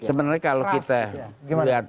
sebenarnya kalau kita lihat